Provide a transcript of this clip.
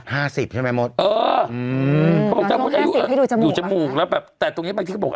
ห้าสิบใช่ไหมหมดเอออืมอยู่จมูกแล้วแบบแต่ตรงเนี้ยบางทีเขาบอก